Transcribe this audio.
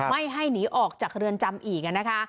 ไม่ให้หนีออกจากเรือนจำอีกนะคะ